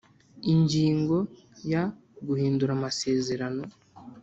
Ingingo ya Guhindura amasezerano